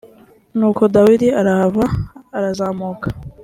nuko dawidi arahava arazamuka